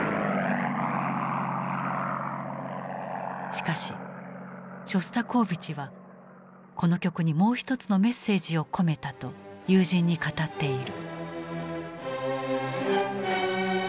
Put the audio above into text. しかしショスタコーヴィチはこの曲にもう一つのメッセージを込めたと友人に語っている。